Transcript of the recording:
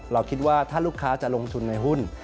เราคิดว่าถ้าลูกค้าจะลงทุนในหุ้น